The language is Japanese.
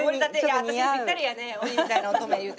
私にぴったりやね鬼みたいな乙女いうて。